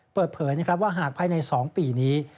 เปิดเผยว่าหากภายใน๒ปีนี้